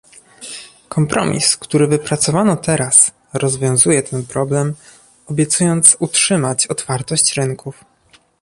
Kompromis, który wypracowano teraz, rozwiązuje ten problem, obiecując utrzymać otwartość rynków